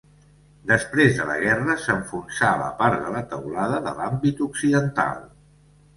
Després de la guerra s'enfonsà la part de la teulada de l'àmbit occidental.